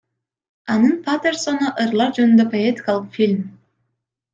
Анын Патерсону — ырлар жөнүндө поэтикалык фильм.